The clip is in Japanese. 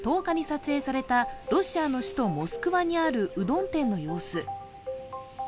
１０日に撮影されたロシアの首都モスクワにあるうどん店の様子。